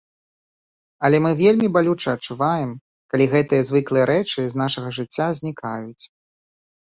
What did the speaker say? Але мы вельмі балюча адчуваем, калі гэтыя звыклыя рэчы з нашага жыцця знікаюць.